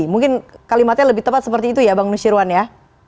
mungkin kalimatnya lebih tepat seperti itu ya bang nusyirwan ya